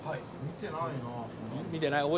見てないな。